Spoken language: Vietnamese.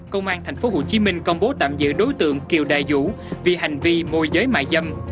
công an tp hcm công bố tạm giữ đối tượng kiều đại vũ vì hành vi môi giới mại dâm